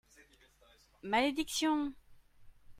Malédiction !